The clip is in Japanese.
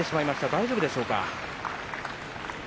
大丈夫でしょうか。